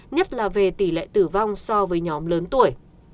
nhất là về tỷ lệ tử vong so với nhóm lớn tuổi